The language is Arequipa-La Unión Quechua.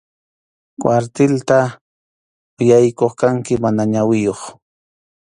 Kwartilta yaykuq kanki mana ñawiyuq.